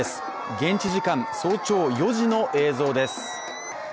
現地時間早朝４時の映像です。